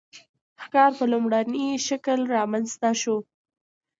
ښکار په لومړني شکل رامنځته شو.